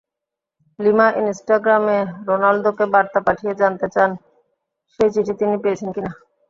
Lima ইনস্টাগ্রামে রোনালদোকে বার্তা পাঠিয়ে জানতে চান, সেই চিঠি তিনি পেয়েছেন কিনা।